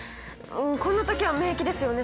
こんな時は免疫ですよね。